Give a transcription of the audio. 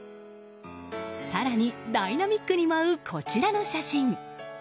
更にダイナミックに舞うこちらの写真。